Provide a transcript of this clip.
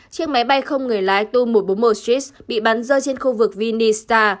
chiếc máy bay không người lái tu một trăm bốn mươi một strix bị bắn rơi trên khu vực vinnytsia